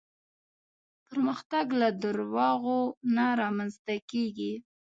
پرمختګ له دروغو نه رامنځته کېږي.